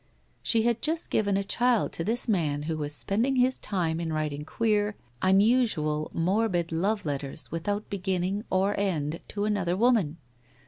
She had just given a child to this man who was spending his time in writing queer, unusual, morbid love letters without beginning, or end, to another woman.